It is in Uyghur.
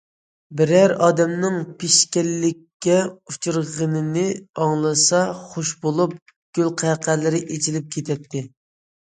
بىرەر ئادەمنىڭ پېشكەللىككە ئۇچرىغىنىنى ئاڭلىسا خۇش بولۇپ، گۈلقەقەلىرى ئېچىلىپ كېتەتتى.